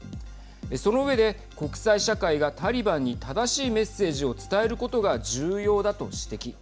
その上で国際社会がタリバンに正しいメッセージを伝えることが重要だと指摘。